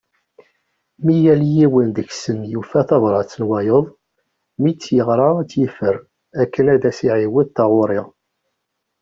Mi yal yiwen deg-sen yufa tbarat n wayeḍ, mi tt-yeɣra a tt-yeffer, akken ad as-iɛiwed taɣuri.